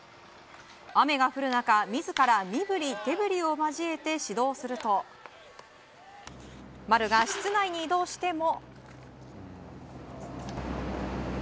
雨が降る中、自ら身振り手振りを交えて指導をすると丸が室内に移動しても。